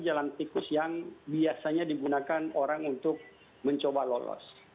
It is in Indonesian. jalan tikus yang biasanya digunakan orang untuk mencoba lolos